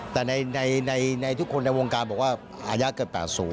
แต่ในทุกคนในวงการบอกว่าอายุเกิน๘๐